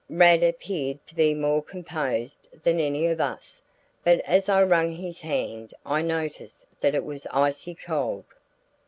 Rad appeared to be more composed than any of us, but as I wrung his hand I noticed that it was icy cold.